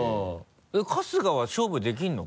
春日は勝負できるの？